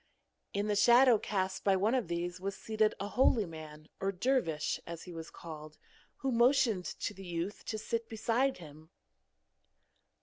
In the shadow cast by one of these was seated a holy man or dervish, as he was called, who motioned to the youth to sit beside him.